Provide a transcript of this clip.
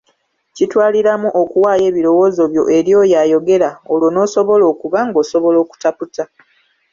Kitwaliramu okuwaayo ebirowoozobyo eri oyo ayogera olwo n’osobola okuba ng’osobola okutaputa,